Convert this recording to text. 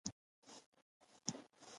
بې نظمی روانه وه.